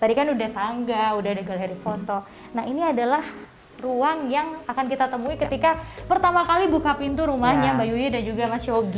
tadi kan udah tangga udah ada galeri foto nah ini adalah ruang yang akan kita temui ketika pertama kali buka pintu rumahnya mbak yuyu dan juga mas yogi